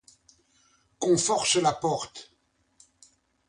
Qu'on force la porte.